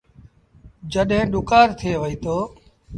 جڏهيݩ ڏُڪآر ٿئي وهيٚتو۔